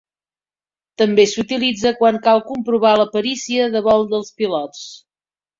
També s'utilitza quan cal comprovar la perícia de vol dels pilots.